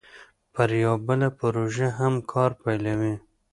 پر یوه بله پروژه هم کار پیلوي